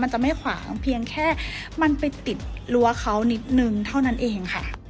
จะไม่ขวางเพียงแค่มันไปติดรั้วเขานิดนึงเท่านั้นเองค่ะ